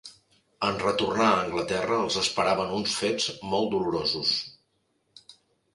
En retornar a Anglaterra els esperaven uns fets molt dolorosos.